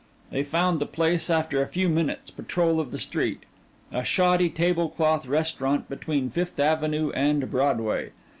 They found the place after a few minutes' patrol of the street a shoddy tablecloth restaurant between Fifth Avenue and Broadway.